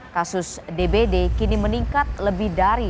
kasus dbd kini meningkat lebih dari